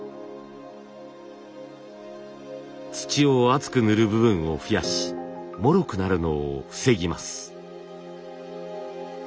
土を厚く塗る部分を増やしもろくなるのを防ぎます。